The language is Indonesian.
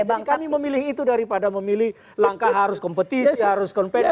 jadi kami memilih itu daripada memilih langkah harus kompetisi harus konvensi